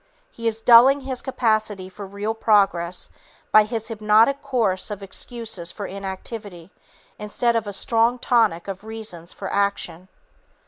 He is dulling his capacity for real progress by his hypnotic course of excuses for inactivity, instead of a strong tonic of reasons for action.